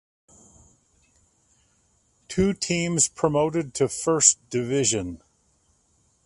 Two teams promoted to First Division.